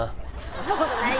そんなことない